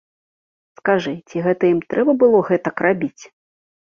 Скажы, ці гэта ім трэба было гэтак рабіць?